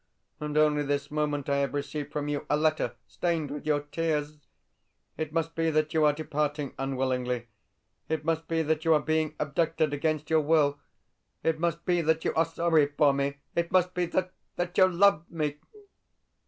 And only this moment I have received from you a letter stained with your tears! It must be that you are departing unwillingly; it must be that you are being abducted against your will; it must be that you are sorry for me; it must be that that you LOVE me!...